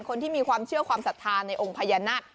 คนที่มีความเชื่อความศรัทธาในองค์พญานาค